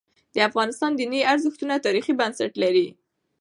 د افغانستان دیني ارزښتونه تاریخي بنسټ لري.